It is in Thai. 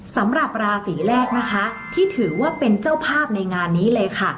สำหรับราศีแรกนะคะที่ถือว่าเป็นเจ้าภาพในงานนี้เลยค่ะ